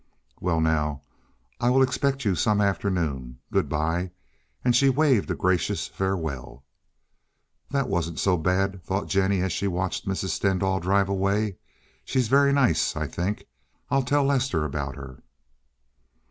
"Well, now I will expect you some afternoon. Good by," and she waved a gracious farewell. "That wasn't so bad," thought Jennie as she watched Mrs. Stendahl drive away. "She is very nice, I think. I'll tell Lester about her."